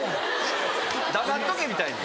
「黙っとけ」みたいな。